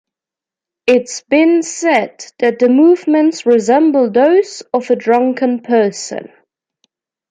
It’s been said that the movements resemble those of a drunken person.